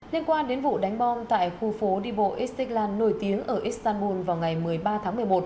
liên quan đến vụ đánh bom tại khu phố đi bộ isticlan nổi tiếng ở istanbul vào ngày một mươi ba tháng một mươi một